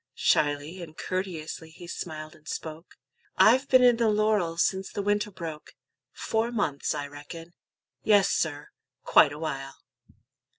Shyly and courteously he smiled and spoke; "I've been in the laurel since the winter broke; Four months, I reckon; yes, sir, quite a while."